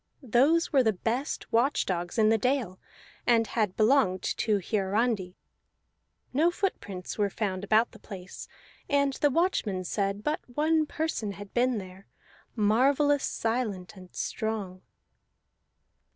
Those were the best watch dogs in the dales, and had belonged to Hiarandi. No footprints were found about the place, and the watchmen said but one person had been there, marvellous silent and strong.